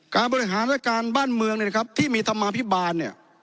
การบริหารและการบ้านเมืองที่มีธรรมาภิบาล